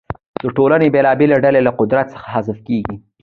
د ټولنې بېلابېلې ډلې له قدرت څخه حذف کیږي.